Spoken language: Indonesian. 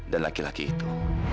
dan laki laki itu